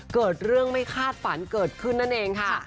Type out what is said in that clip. เกิดเรื่องไม่คาดฝันเกิดขึ้นนั่นเองค่ะ